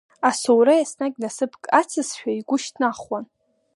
Асоура еснагь насыԥк ацызшәа игәы шьҭнахуан.